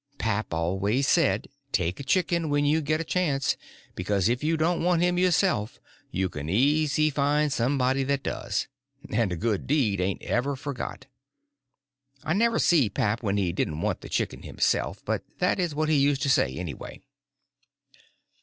Pap always said, take a chicken when you get a chance, because if you don't want him yourself you can easy find somebody that does, and a good deed ain't ever forgot. I never see pap when he didn't want the chicken himself, but that is what he used to say, anyway.